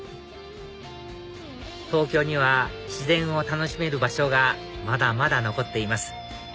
東京には自然を楽しめる場所がまだまだ残っています